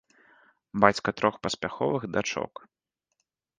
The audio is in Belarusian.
Бацька трох паспяховых дачок.